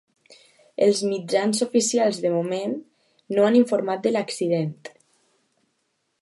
Els mitjans oficials de moment no han informat de l’accident.